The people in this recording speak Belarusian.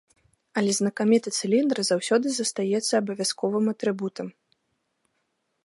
Але знакаміты цыліндр заўсёды застаецца абавязковым атрыбутам.